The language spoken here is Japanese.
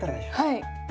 はい。